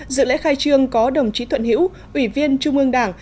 dự lễ khai trương có đồng chí thuận hữu ủy viên trung ương đảng